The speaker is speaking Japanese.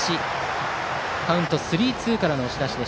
カウント、スリーツーからの押し出し。